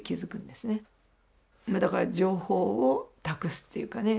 だから情報を託すっていうかね